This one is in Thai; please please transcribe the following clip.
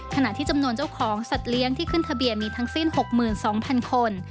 ขณะที่จำนวนเจ้าของสัตว์เลี้ยงที่ขึ้นทะเบียนมีทั้งสิ้น๖๒๐๐๐คน